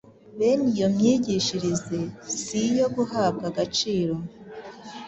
bene iyo myigishirize si iyo guhabwa agaciro.